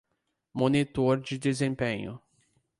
Monitor de desempenho